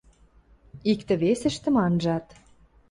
Иктӹ-весӹштӹм анжат.